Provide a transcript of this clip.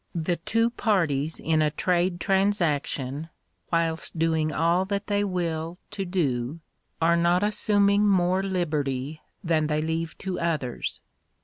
The two parties in a trade transaction, whilst doing all that they will to do, are not assuming more liberty than they leave to others.